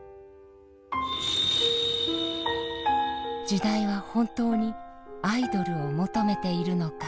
時代は本当にアイドルを求めているのか。